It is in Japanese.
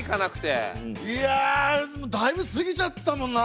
いやだいぶ過ぎちゃったもんな。